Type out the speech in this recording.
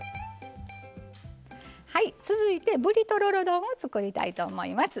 続いて、ぶりとろろ丼を作りたいと思います。